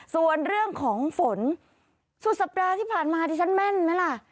ส่วนเรื่องของฝนสุดสัปดาห์ที่ผ่านมาดิฉันแม่นไหมล่ะ